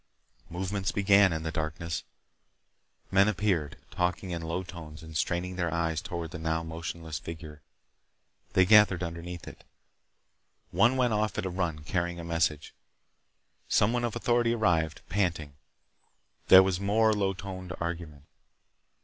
Movements began in the darkness. Men appeared, talking in low tones and straining their eyes toward the now motionless figure. They gathered underneath it. One went off at a run, carrying a message. Someone of authority arrived, panting. There was more low toned argument.